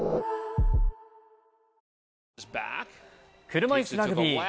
車いすラグビー。